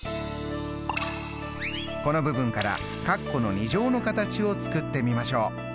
この部分からカッコの２乗の形を作ってみましょう。